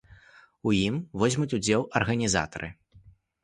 У ім возьмуць удзел арганізатары.